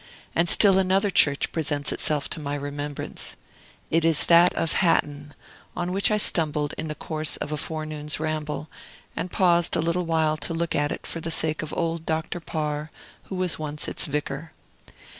And still another church presents itself to my remembrance. It is that of Hatton, on which I stumbled in the course of a forenoon's ramble, and paused a little while to look at it for the sake of old Dr. Parr, who was once its vicar.